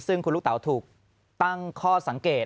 ซึ่งคุณลูกเต๋าถูกตั้งข้อสังเกต